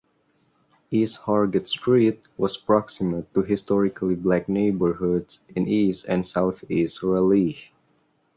East Hargett Street was proximate to historically black neighborhoods in east and southeast Raleigh.